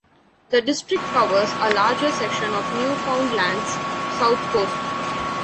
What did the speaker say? The district covers a larger section of Newfoundland's south coast.